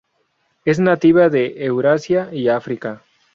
Es nativa de Eurasia y África.